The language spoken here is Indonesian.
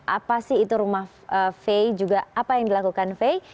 apa sih itu rumah fay juga apa yang dilakukan fay